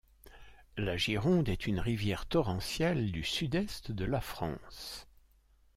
La Gyronde est une rivière torrentielle du sud-est de la France.